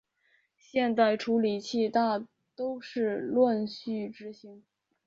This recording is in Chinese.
现代处理器大都是乱序执行。